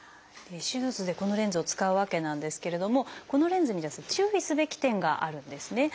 手術でこのレンズを使うわけなんですけれどもこのレンズにですね注意すべき点があるんですね。